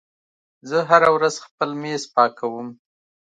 زه هره ورځ خپل میز پاکوم.